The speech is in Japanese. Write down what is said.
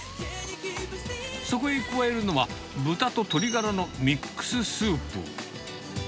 そこへ加えるのが、豚と鶏ガラのミックススープ。